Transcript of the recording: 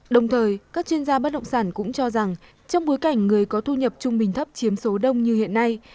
đồng thời các chuyên gia bất động sản cũng cho rằng trong bối cảnh người có thu nhập trung bình thấp chiếm số đông như hiện nay